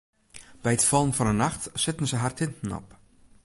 By it fallen fan 'e nacht setten se har tinten op.